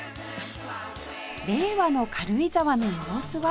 令和の軽井沢の様子は？